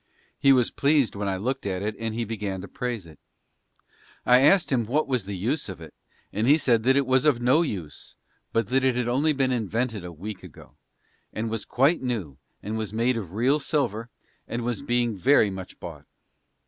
He was pleased when I looked at it and he began to praise it. I asked him what was the use of it, and he said that it was of no use but that it had only been invented a week ago and was quite new and was made of real silver and was being very much bought.